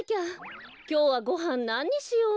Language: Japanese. きょうはごはんなににしよう？